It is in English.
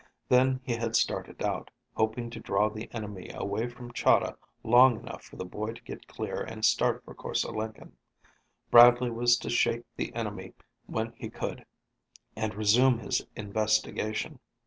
Then he had started out, hoping to draw the enemy away from Chahda long enough for the boy to get clear and start for Korse Lenken. Bradley was to shake the enemy when he could and resume his investigation.